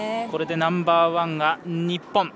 これでナンバーワンが日本。